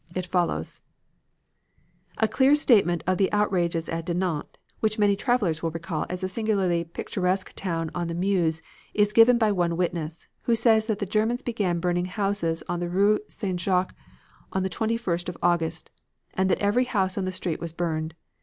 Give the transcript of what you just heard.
It follows: "A clear statement of the outrages at Dinant, which many travelers will recall as a singularly picturesque town on the Meuse, is given by one witness, who says that the Germans began burning houses in the Rue St. Jacques on the 21st of August, and that every house in the street was burned.